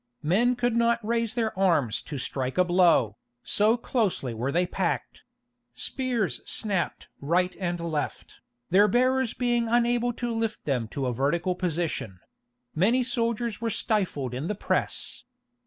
Men could not raise their arms to strike a blow, so closely were they packed; spears snapped right and left, their bearers being unable to lift them to a vertical position; many soldiers were stifled in the press.